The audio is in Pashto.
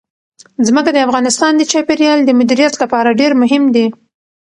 ځمکه د افغانستان د چاپیریال د مدیریت لپاره ډېر مهم دي.